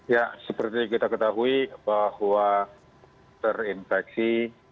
ya seperti kita ketahui bahwa terinfeksi